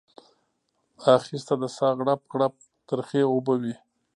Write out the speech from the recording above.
اخیسته د ساه غړپ غړپ ترخې اوبه وې